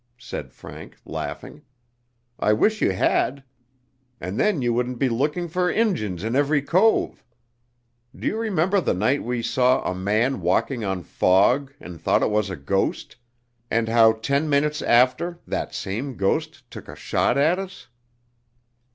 said Frank, laughing. "I wish you had, and then you wouldn't be looking for Injuns in every cove. Do you remember the night we saw a man walking on fog and thought it was a ghost, and how ten minutes after that same ghost took a shot at us?"